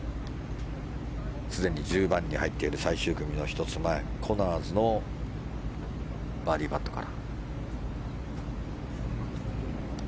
すでに１０番に入っている最終組の１つ前コナーズのバーディーパットから。